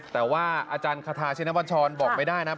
แต่ว่าอาจารย์คาทาชินวัชรบอกไม่ได้นะ